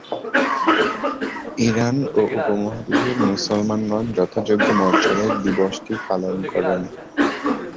Iran ও উপমহাদেশের মুসলমানগণ যথাযোগ্য মর্যাদায় দিবসটি পালন করেন।